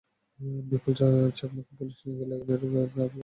বিপুল চাকমাকে পুলিশ নিয়ে গেলে নিরুপমা দেবী আরও অসুস্থ হয়ে পড়েন।